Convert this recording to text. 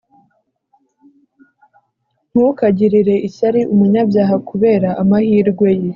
Ntukagirire ishyari umunyabyaha kubera amahirwe ye,